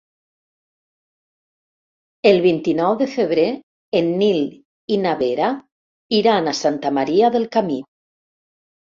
El vint-i-nou de febrer en Nil i na Vera iran a Santa Maria del Camí.